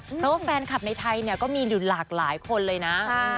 เพราะว่าแฟนคลับในไทยเนี่ยก็มีอยู่หลากหลายคนเลยนะ